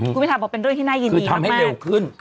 คุณพิทาบอกเป็นเรื่องที่น่ายินดีทำให้เร็วขึ้น